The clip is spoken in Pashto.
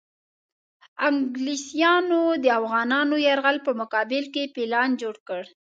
انګلیسیانو د افغانانو یرغل په مقابل کې پلان جوړ کړ.